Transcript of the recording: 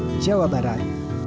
depok jawa barat